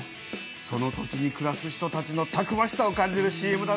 その土地にくらす人たちのたくましさを感じるＣＭだね！